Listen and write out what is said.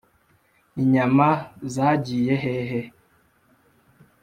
inyama zagiye hehe ??